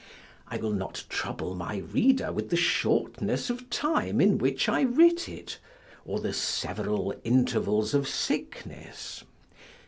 I will not trouble my reader with the shortness of time in which I writ it, or the several intervals of sickness.